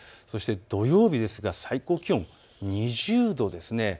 そして土曜日ですが最高気温２０度ですね。